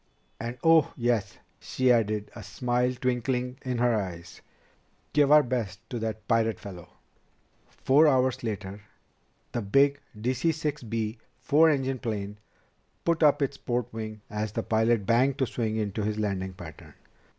And oh, yes," she added, a smile twinkling in her eyes, "give our best to that pirate fellow!" Four hours later the big DC 6 B four engine plane put up its port wing as the pilot banked to swing into his landing pattern.